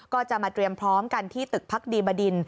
ก็จะมาเตรียมพร้อมกันที่ตึกพักดีบดิน